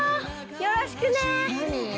よろしくね！